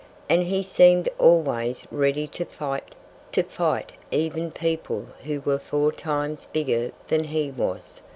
And he seemed always ready to fight to fight even people who were four times bigger than he was.